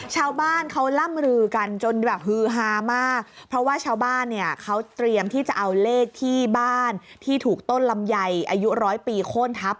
ชาวบ้านเข้าล่ำหรือกันจนหือหามาก